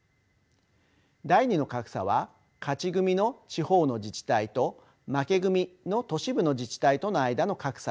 第２の格差は「勝ち組」の地方の自治体と「負け組」の都市部の自治体との間の格差です。